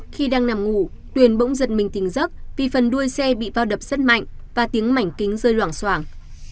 khi đang nằm ngủ tuyền bỗng giật mình tỉnh giấc vì phần đuôi xe bị bao đập rất mạnh và tiếng mảnh kính rơi hoàng soảng